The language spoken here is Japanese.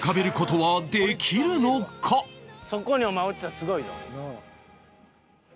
そこにお前落ちたらすごいよ。